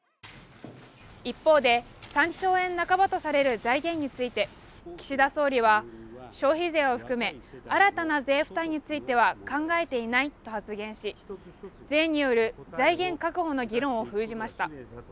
一方で３兆円半ばとされる財源について岸田総理は、消費税を含め新たな税負担については考えていないと発言し税による財源確保の議論を封じました。